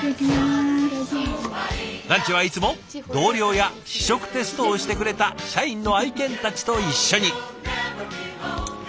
ランチはいつも同僚や試食テストをしてくれた社員の愛犬たちと一緒に。